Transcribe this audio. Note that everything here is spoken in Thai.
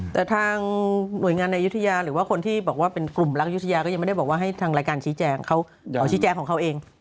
แต่ทางหน่วยงานในยุธยาหรือว่าคนที่บอกว่าเป็นกลุ่มรักยุธยาก็ยังไม่ได้บอกว่าให้ทางรายการชี้แจงเขาชี้แจงของเขาเอง